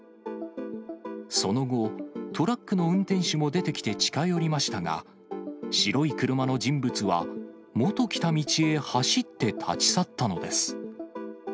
その後、トラックの運転手も出てきて、近寄りましたが、白い車の人物は、元来た道へ走って立ち去ったのです。